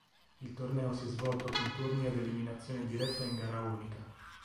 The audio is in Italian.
Il torneo si è svolto con turni ad eliminazione diretta in gara unica.